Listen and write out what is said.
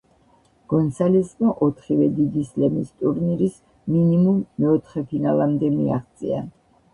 გონსალესმა ოთხივე დიდი სლემის ტურნირის მინიმუმ მეოთხედფინალამდე მიაღწია.